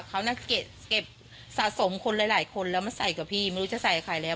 เขาน่ะเก็บสะสมคนหลายคนแล้วมาใส่กับพี่ไม่รู้จะใส่ใครแล้ว